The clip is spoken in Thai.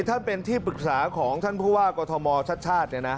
ท่านเป็นที่ปรึกษาของท่านผู้ว่ากอทมชาติ